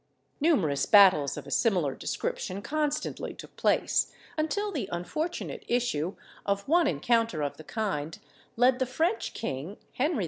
Numerous battles of a similar description constantly took place, until the unfortunate issue of one encounter of the kind led the French king, Henry II.